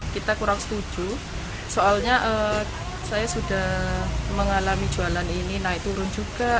kita kurang setuju soalnya saya sudah mengalami jualan ini naik turun juga